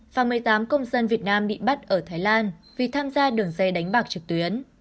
và một mươi tám công dân việt nam bị bắt ở thái lan vì tham gia đường dây đánh bạc trực tuyến